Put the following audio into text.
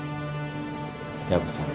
薮さん。